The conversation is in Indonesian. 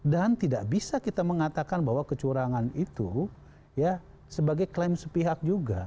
dan tidak bisa kita mengatakan bahwa kecurangan itu sebagai klaim sepihak juga